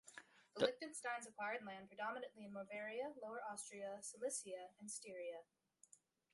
The Liechtensteins acquired land, predominantly in Moravia, Lower Austria, Silesia, and Styria.